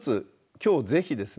今日ぜひですね